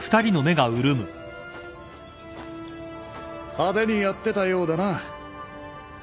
派手にやってたようだな。